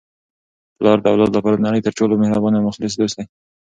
پلار د اولاد لپاره د نړۍ تر ټولو مهربانه او مخلص دوست دی.